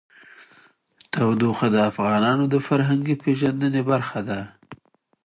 تودوخه د افغانانو د فرهنګي پیژندنې برخه ده.